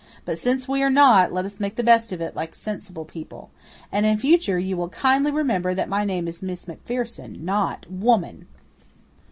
But since we are not, let us make the best of it like sensible people. And in future you will kindly remember that my name is Miss MacPherson, NOT Woman!"